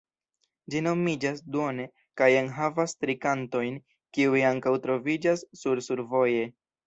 Ĝi nomiĝas "Duone" kaj enhavas tri kantojn kiuj ankaŭ troviĝas sur "Survoje".